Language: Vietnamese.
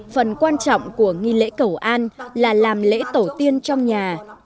phần quan trọng của nghi lễ cầu an là làm lễ tổ tiên trong nhà